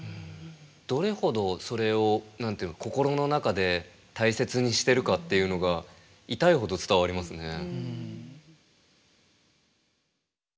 どれほどそれを心の中で大切にしてるかっていうのが痛いほど伝わりますね。